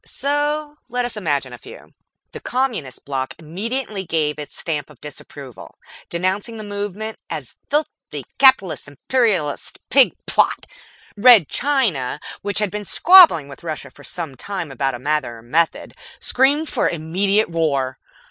So let us imagine a few. The Communist Block immediately gave its Stamp of Disapproval, denouncing the movement as a filthy Capitalist Imperialist Pig plot. Red China, which had been squabbling with Russia for some time about a matter of method, screamed for immediate war.